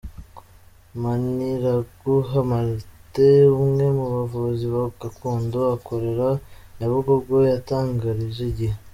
Maniraguha Martin umwe mu bavuzi ba gakondo ukorera Nyabugogo yatangarije Igihe.